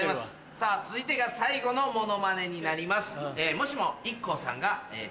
さぁ続いてが最後のモノマネになります。